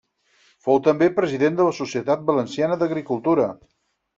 Fou també president de la Societat Valenciana d'Agricultura.